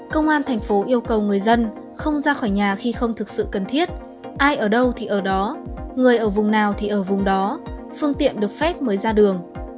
công an thành phố yêu cầu người dân không ra khỏi nhà khi không thực sự cần thiết ai ở đâu thì ở đó người ở vùng nào thì ở vùng đó phương tiện được phép mới ra đường